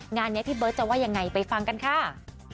งานนี้พี่เบิร์ตจะว่ายังไงไปฟังกันค่ะ